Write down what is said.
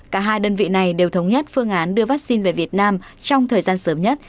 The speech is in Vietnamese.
cả hai đơn vị này đều thống nhất phương án đưa vaccine về việt nam trong thời gian sớm nhất